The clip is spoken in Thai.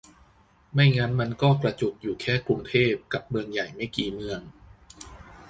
ไม่งั้นมันก็กระจุกอยู่แค่กรุงเทพกับเมืองใหญ่ไม่กี่เมือง